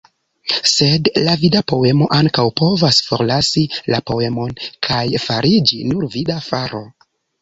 Sed la vida poemo ankaŭ povas forlasi la poemon kaj fariĝi nur vida faro.